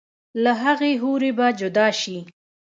لۀ هغې حورې به جدا شي